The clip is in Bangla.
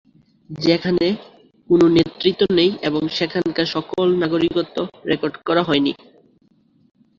সেখানে কোনো নেতৃত্ব নেই এবং সেখানকার সকল নাগরিকত্ব রেকর্ড করা হয়নি।